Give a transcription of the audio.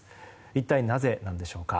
一体、なぜなんでしょうか。